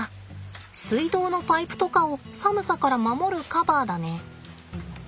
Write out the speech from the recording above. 水道のパイプとかを寒さから守るカバーだね。